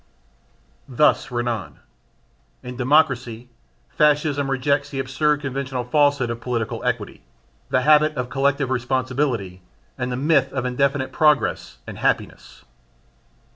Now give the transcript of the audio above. Thus Renan. In Democracy Fascism rejects the absurd conventional falsehood of political equality, the habit of collective responsibility and the myth of indefinite progress and happiness.